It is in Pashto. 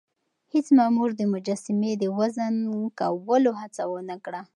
هیڅ مامور د مجسمې د وزن کولو هڅه ونه کړه.